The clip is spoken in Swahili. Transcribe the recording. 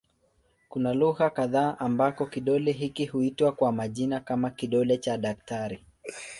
Kuna lugha kadha ambako kidole hiki huitwa kwa majina kama "kidole cha daktari".